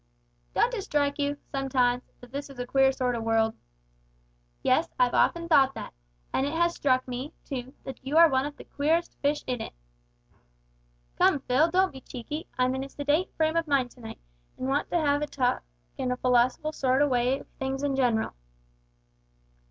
"Don't it strike you, sometimes, that this is a queer sort of world?" "Yes, I've often thought that, and it has struck me, too, that you are one of the queerest fish in it." "Come, Phil, don't be cheeky. I'm in a sedate frame of mind to night, an' want to have a talk in a philosophical sort o' way of things in general."